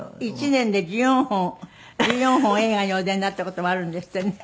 １年で１４本映画にお出になった事もあるんですってね。